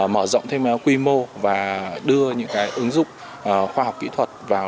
mở rộng thêm quy mô và đưa những ứng dụng khoa học kỹ thuật vào